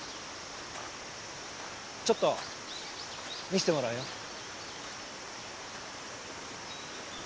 ちょっと見せてもらうよ。